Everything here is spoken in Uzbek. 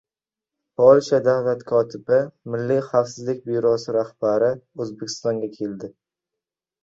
Polsha Davlat kotibi, Milliy xavfsizlik byurosi rahbari O‘zbekistonga keldi